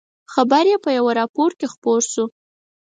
خبر یې په یوه راپور کې خپور شو.